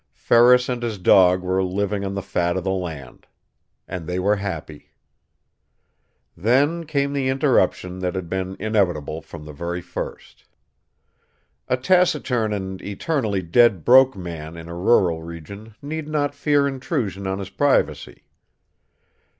Ferris and his dog were living on the fat of the land. And they were happy. Then came the interruption that had been inevitable from the very first. A taciturn and eternally dead broke man, in a rural region, need not fear intrusion on his privacy.